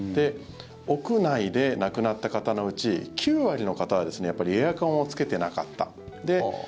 屋内で亡くなった方のうち９割の方はエアコンをつけてなかった。